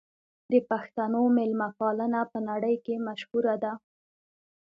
د پښتنو مېلمه پالنه په نړۍ کې مشهوره ده.